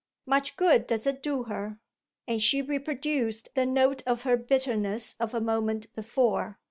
"Much good does it do her!" And she reproduced the note of her bitterness of a moment before.